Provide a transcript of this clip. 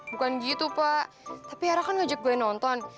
bukan gitu pak tapi era kan ngajak glenn nonton